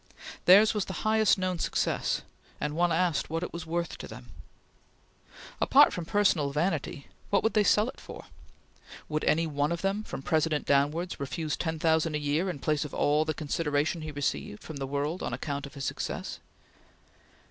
Theirs was the highest known success, and one asked what it was worth to them. Apart from personal vanity, what would they sell it for? Would any one of them, from President downwards, refuse ten thousand a year in place of all the consideration he received from the world on account of his success?